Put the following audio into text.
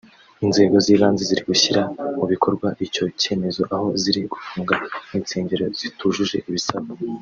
inzego z'ibanze ziri gushyira mu bikorwa icyo cyemezo aho ziri gufunga insengero zitujuje ibisabwa